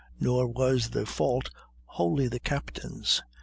Nor was the fault wholly the captain's.